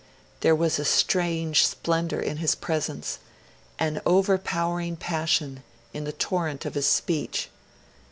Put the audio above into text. There was a strange splendour in his presence, an overpowering passion in the torrent of his speech.